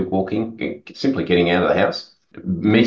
lalu kumpulan yang lebih kenal